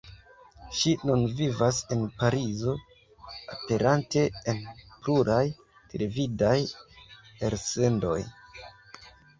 Ŝi nun vivas en Parizo, aperante en pluraj televidaj elsendoj.